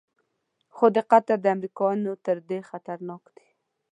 خو د قطر امریکایان تر دې خطرناک دي.